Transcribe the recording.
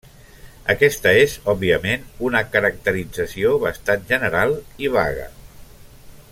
Aquesta és, òbviament, una caracterització bastant general i vaga.